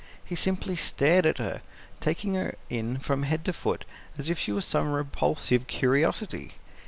He simply stared at her, taking her in from head to foot as if she were some repulsive curiosity.